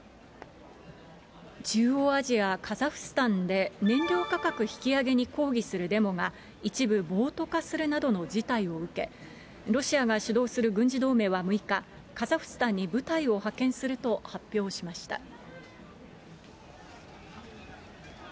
中央アジア、カザフスタンで、燃料価格引き上げに抗議するデモが、一部暴徒化するなどの事態を受け、ロシアが主導する軍事同盟は６日、カザフスタンに部隊を派遣すると発表しました。